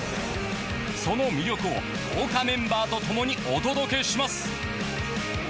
その魅力を豪華メンバーとともにお届けします